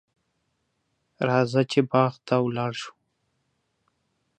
راځه چې باغ ته ولاړ شو.